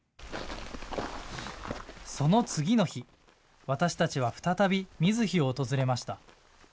その次の日、私たちは再び水干を訪れました。